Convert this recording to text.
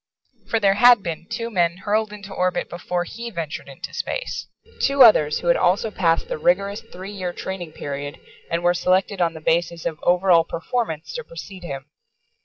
For there had been two men hurled into orbit before he ventured into space. Two others who had also passed the rigorous three year training period and were selected on the basis of over all performance to precede him.